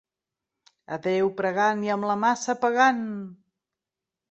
A Déu pregant i amb la maça pegant.